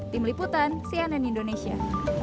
tim liputan cnn indonesia